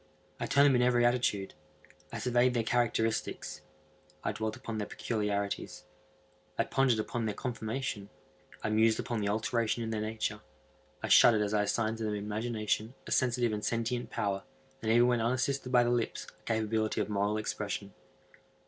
I turned them in every attitude. I surveyed their characteristics. I dwelt upon their peculiarities. I pondered upon their conformation. I mused upon the alteration in their nature. I shuddered as I assigned to them in imagination a sensitive and sentient power, and even when unassisted by the lips, a capability of moral expression.